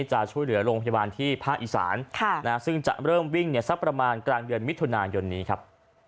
จะช่วยเหลือโรงพยาบาลที่ภาคอีสานซึ่งจะเริ่มวิ่งเนี่ยสักประมาณกลางเดือนมิถุนายนนี้ครับ